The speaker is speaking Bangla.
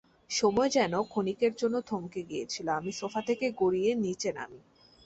সময় যেন ক্ষণিকের জন্য থমকে গিয়েছিল, আমি সোফা থেকে গড়িয়ে নিচে নামি।